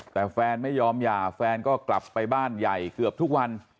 แต่แฟนไม่ยอมหย่าแฟนก็กลับไปบ้านใหญ่เกือบทุกวัน